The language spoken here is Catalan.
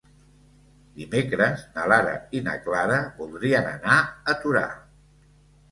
Dimecres na Lara i na Clara voldrien anar a Torà.